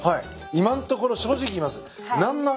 今のところ正直言います。